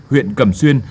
huyện cẩm xuyên